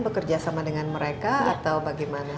bekerja sama dengan mereka atau bagaimana